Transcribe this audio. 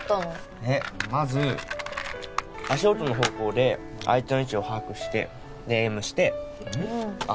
えっまず足音の方向で相手の位置を把握してでエイムしてえっ？